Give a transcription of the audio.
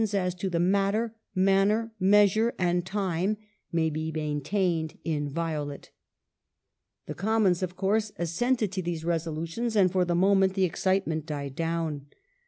1865] THE LORDS AND FINANCE as to the matter, manner, measure, and time may be maintained inviolate ". The Commons, of coui se, assented to these Resolutions, and, for the moment, the excitement died down.